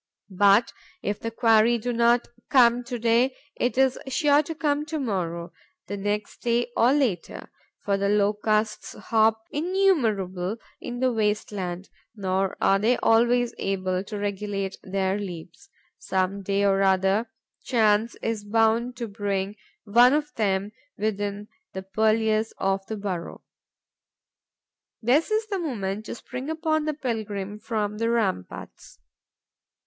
But, if the quarry do not come to day, it is sure to come to morrow, the next day, or later, for the Locusts hop innumerable in the waste land, nor are they always able to regulate their leaps. Some day or other, chance is bound to bring one of them within the purlieus of the burrow. This is the moment to spring upon the pilgrim from the ramparts.